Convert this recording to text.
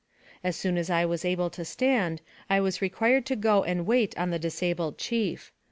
As soon as I was able to stand, I was required to go and wait on the disabled chief.